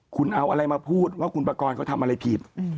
คุณเอาอะไรมาพูดว่าคุณประกอบเขาทำอะไรผิด